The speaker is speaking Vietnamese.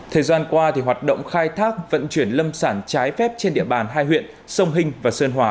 thời gian qua hoạt động khai thác vận chuyển lâm sản trái phép trên địa bàn hai huyện sông hình và sơn hòa